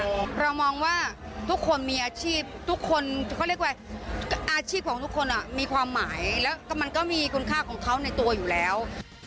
เรามองว่าทุกคนมีอาชีพทุกคนเขาเรียกว่าอาชีพของทุกคนมีความหมายแล้วก็มันก็มีคุณค่าของเขาในตัวอยู่แล้ว